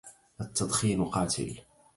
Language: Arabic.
التدخين قاتل